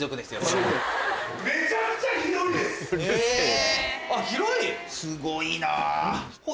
すごいな。